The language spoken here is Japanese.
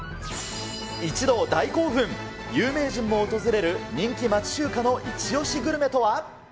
一同大興奮、有名人も訪れる人気町中華のイチオシグルメとは。